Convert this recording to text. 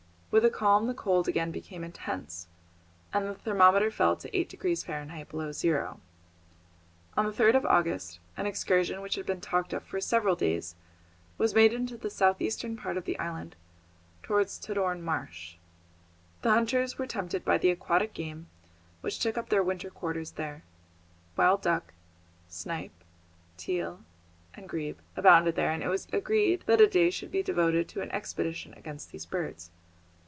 With the calm the cold again became intense, and the thermometer fell to eight degrees Fahrenheit, below zero. On the 3rd of August an excursion which had been talked of for several days was made into the south eastern part of the island, towards Tadorn Marsh. The hunters were tempted by the aquatic game which took up their winter quarters there. Wild duck, snipe, teal, and grebe, abounded there, and it was agreed that a day should be devoted to an expedition against these birds.